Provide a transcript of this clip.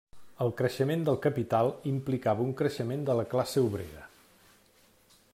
El creixement del capital implicava un creixement de la classe obrera.